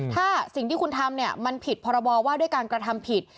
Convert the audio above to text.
ถ้าสิ่งที่คุณทำเนี่ยมันผิดพรบว่าด้วยการกระทำผิด